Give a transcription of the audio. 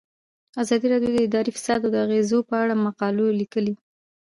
ازادي راډیو د اداري فساد د اغیزو په اړه مقالو لیکلي.